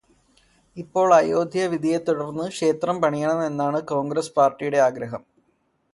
ഇപ്പോൾ അയോധ്യ വിധിയെ തുടര്ന്ന് ക്ഷേത്രം പണിയണം എന്നതാണ് കോൺഗ്രസ്സ് പാര്ടിയുടെ ആഗ്രഹം